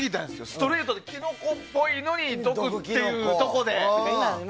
ストレートでキノコっぽいのに毒っていうところで。